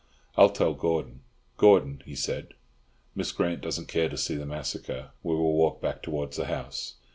"I'll tell Gordon. Gordon," he said, "Miss Grant doesn't care to see the massacre. We will walk back towards the house."